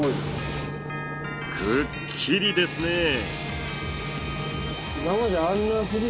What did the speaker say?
くっきりですね。